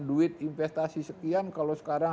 duit investasi sekian kalau sekarang